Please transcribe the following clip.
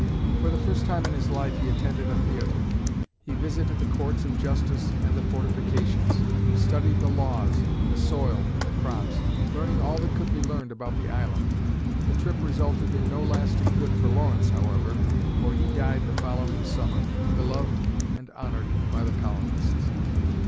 For the first time in his life, he attended a theater. He visited the courts of justice and the fortifications; studied the laws, the soil and the crops, learning all that could be learned about the island. The trip resulted in no lasting good for Lawrence, however, for he died the following summer, beloved and honored by the colonists.